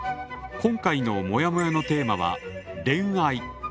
今回のモヤモヤのテーマは「恋愛」。